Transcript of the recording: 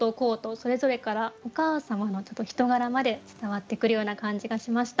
それぞれからお母様の人柄まで伝わってくるような感じがしました。